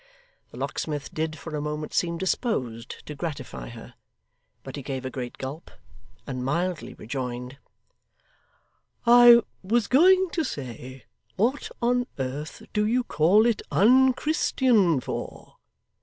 The locksmith did for a moment seem disposed to gratify her, but he gave a great gulp, and mildly rejoined: 'I was going to say, what on earth do you call it unchristian for?